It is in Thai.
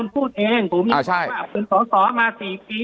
พูดคุณวิทยาเป็นคนพูดเองผมยังรู้ว่าเป็นสอสอมา๔ปี